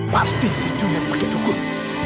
pasti si junet pakai dukun